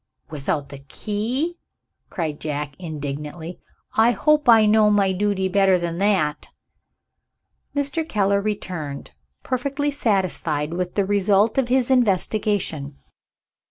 "Without the key?" cried Jack indignantly. "I hope I know my duty better than that." Mr. Keller returned, perfectly satisfied with the result of his investigation.